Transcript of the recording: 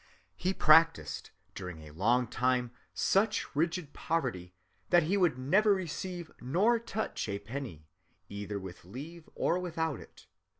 He practiced during a long time such rigid poverty that he would neither receive nor touch a penny, either with leave or without it.